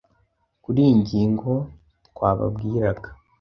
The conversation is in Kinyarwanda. Kuri iyi ngingo twababwiraga